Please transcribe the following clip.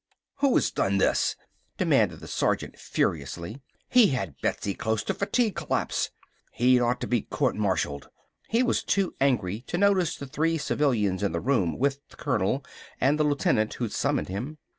"Who done this?" demanded the sergeant furiously. "He had Betsy close to fatigue collapse! He'd ought to be court martialed!" He was too angry to notice the three civilians in the room with the colonel and the lieutenant who'd summoned him.